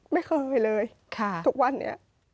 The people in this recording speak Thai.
ไม่เคยเลยทุกวันนี้